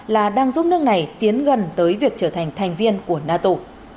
là đang giúp nước này tiến gần tới việc trở thành thành viên của nato